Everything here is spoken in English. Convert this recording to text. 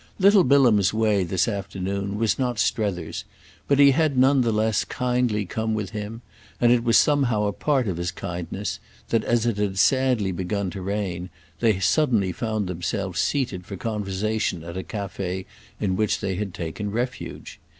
Little Bilham's way this afternoon was not Strether's, but he had none the less kindly come with him, and it was somehow a part of his kindness that as it had sadly begun to rain they suddenly found themselves seated for conversation at a café in which they had taken refuge.